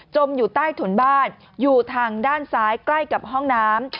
อยู่ใต้ถุนบ้านอยู่ทางด้านซ้ายใกล้กับห้องน้ำ